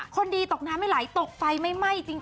คนดีตกน้ำไม่ไหลตกไฟไม่ไหม้จริง